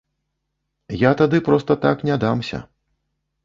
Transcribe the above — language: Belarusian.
Я тады проста так не дамся.